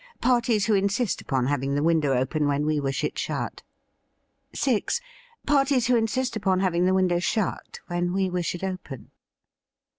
Parties who insist upon having the window open when we wish it shut. 6. Parties who insist upon having the window shut when we wish it open.